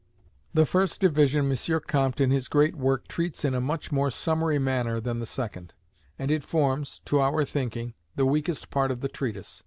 The first division M. Comte, in his great work, treats in a much more summary manner than the second; and it forms, to our thinking, the weakest part of the treatise.